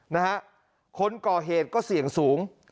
นะฮะคนก่อเหตุก็เสี่ยงสูง